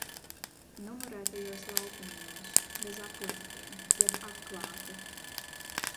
Numurētajos laukumiņos. Bez aplinkiem jeb atklāti.